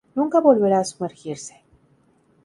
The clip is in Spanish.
Nunca volverá a sumergirse.